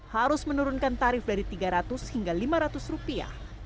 harus menurunkan tarif dari tiga ratus hingga lima ratus rupiah